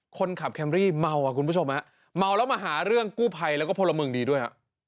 แคมรี่เมาอ่ะคุณผู้ชมฮะเมาแล้วมาหาเรื่องกู้ภัยแล้วก็พลเมืองดีด้วย